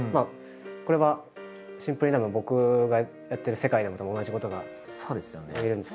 これはシンプルにたぶん僕がやってる世界でもたぶん同じことがいえるんですけど。